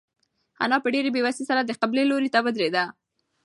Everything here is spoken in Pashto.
انا په ډېرې بېوسۍ سره د قبلې لوري ته ودرېده.